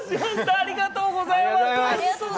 ありがとうございます。